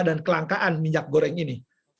dan kelangkaan minyak goreng ini